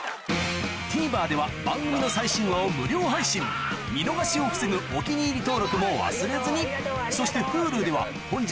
ＴＶｅｒでは番組の最新話を無料配信見逃しを防ぐ「お気に入り」登録も忘れずにそしてＨｕｌｕでは本日の放送も過去の放送も配信中